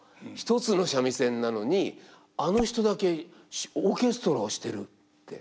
「１つの三味線なのにあの人だけオーケストラをしてる」って。